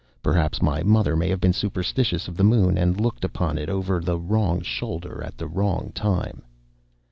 Perhaps my mother may have been superstitious of the moon and looked upon it over the wrong shoulder at the wrong time.